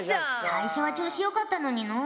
最初は調子よかったのにのう。